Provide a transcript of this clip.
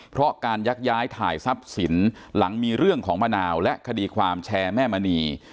เพราะการยักย้ายถ่ายทรัพย์สินหลังมีเรื่องของมะนาวและคดีความแชร์แม่มณี